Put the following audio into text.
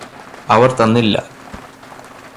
അവര് തന്നില്ല